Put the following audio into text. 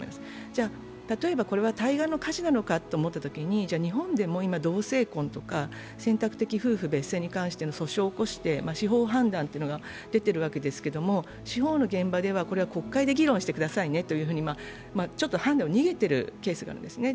じゃ、例えばこれは対岸の火事なのかといったときに日本でも今、同姓婚とか選択的夫婦別姓に関しての訴訟を起こして司法判断というのが出てるわけですけど、司法の現場ではこれは国会で議論してくださいねとちょっと判断を逃げているケースがあるんですね。